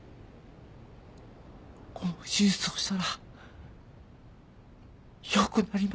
この手術をしたらよくなりますか？